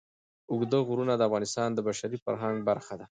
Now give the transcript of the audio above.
اوږده غرونه د افغانستان د بشري فرهنګ برخه ده.